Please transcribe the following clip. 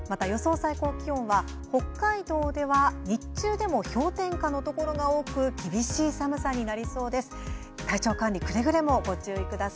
最高気温は北海道では日中でも氷点下になる厳しい寒さになる見込みです。